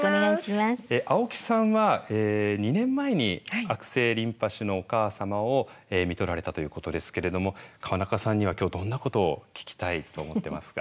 青木さんは２年前に悪性リンパ腫のお母様をみとられたということですけれども川中さんには今日どんなことを聞きたいと思ってますか？